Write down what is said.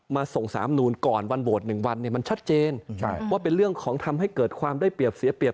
มาส่งสามนูนก่อนวันโหวต๑วันเนี่ยมันชัดเจนว่าเป็นเรื่องของทำให้เกิดความได้เปรียบเสียเปรียบ